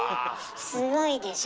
すごいでしょう。